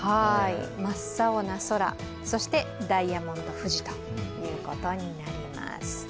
真っ青な空、そしてダイヤモンド富士となります。